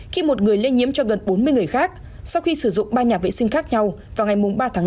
khi một người lây nhiễm cho gần bốn mươi người khác sau khi sử dụng ba nhà vệ sinh khác nhau vào ngày ba tháng năm